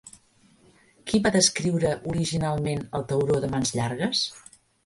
Qui va descriure originalment el tauró de mans llargues?